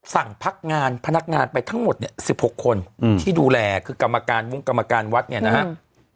สั่งพักงานพนักงานไปทั้งหมดเนี่ย๑๖คนที่ดูแลคือกรรมการมุ่งกรรมการวัดเนี่ยนะครับ